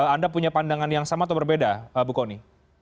anda punya pandangan yang sama atau berbeda bu kony